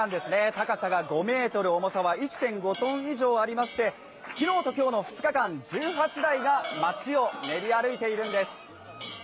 高さが５ｍ、重さは１．５ｔ以上ありまして、昨日と今日の２日間、１８台が街を練り歩いているんです。